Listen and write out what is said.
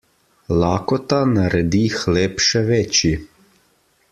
Lakota naredi hleb še večji.